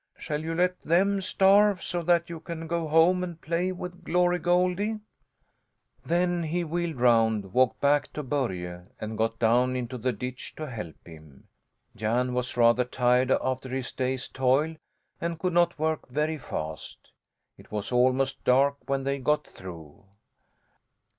Shall you let them starve so that you can go home and play with Glory Goldie?" Then he wheeled round, walked back to Börje, and got down into the ditch to help him. Jan was rather tired after his day's toil and could not work very fast. It was almost dark when they got through.